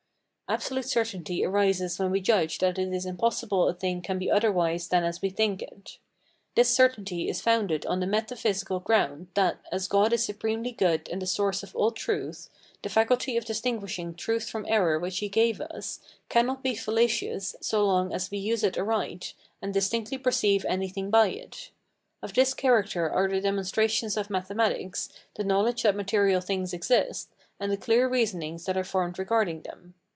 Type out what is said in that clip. [Absolute certainty arises when we judge that it is impossible a thing can be otherwise than as we think it]. This certainty is founded on the metaphysical ground, that, as God is supremely good and the source of all truth, the faculty of distinguishing truth from error which he gave us, cannot be fallacious so long as we use it aright, and distinctly perceive anything by it. Of this character are the demonstrations of mathematics, the knowledge that material things exist, and the clear reasonings that are formed regarding them.